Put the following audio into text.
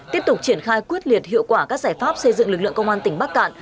tiếp tục triển khai quyết liệt hiệu quả các giải pháp xây dựng lực lượng công an tỉnh bắc cạn